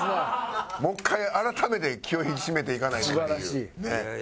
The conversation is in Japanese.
もう一回改めて気を引き締めていかないとっていう。